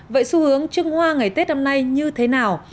vậy xu hướng trưng hoa ngày tết năm nay như thế nào